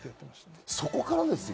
そこからですよ。